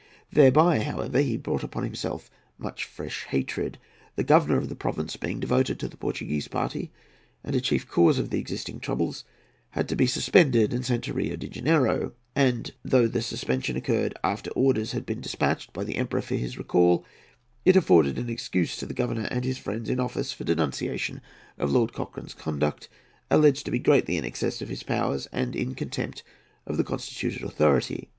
Thereby, however, he brought upon himself much fresh hatred. The governor of the province, being devoted to the Portuguese party and a chief cause of the existing troubles, had to be suspended and sent to Rio de Janeiro; and though the suspension occurred after orders had been despatched by the Emperor for his recall, it afforded an excuse to the governor and his friends in office for denunciation of Lord Cochrane's conduct, alleged to be greatly in excess of his powers and in contempt of the constituted authority.